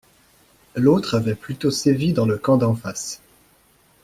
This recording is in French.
L’autre avait plutôt sévi dans le camp d’en face.